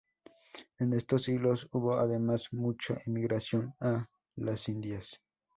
En estos siglos hubo además mucha emigración a "las Indias".